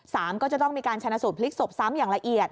ก็จะต้องมีการชนะสูตรพลิกศพซ้ำอย่างละเอียด